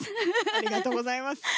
ありがとうございます。